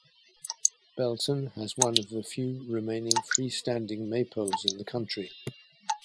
Belton has one of the few remaining free-standing maypoles in the country.